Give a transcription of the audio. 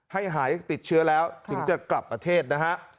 ให้หายติดเชื้อแล้วถึงจะกลับประเทศนะฮะ